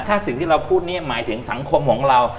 ถ้าสิ่งที่เราพูดเนี่ยหมายถึงสังคมของเรา